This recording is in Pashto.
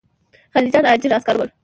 خلجیان اجیر عسکر ول.